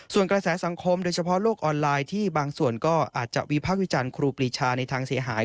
ส่วนกระแสสังคมโดยเฉพาะโลกออนไลน์ที่บางส่วนก็อาจจะวิพากษ์วิจารณ์ครูปรีชาในทางเสียหาย